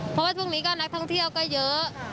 เพราะว่าช่วงนี้ก็นักท่องเที่ยวก็เยอะ